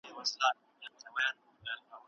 تعلیمي مرکزونه باید په ټولو ولسوالیو کي وي.